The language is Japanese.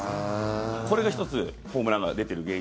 これが１つホームランが出てる原因。